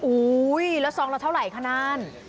อุ้ยแล้วซองละเท่าไหร่คะนาน